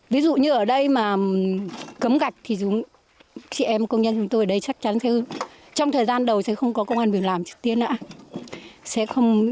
ví dụ như ở đây mà cấm gạch thì chị em công nhân chúng tôi ở đây chắc chắn sẽ trong thời gian đầu sẽ không có công an việc làm trước tiên nữa